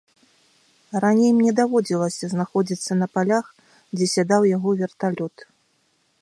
Раней мне даводзілася знаходзіцца на палях, дзе сядаў яго верталёт.